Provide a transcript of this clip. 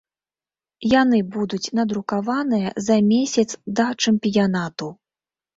Яны будуць надрукаваныя за месяц да чэмпіянату.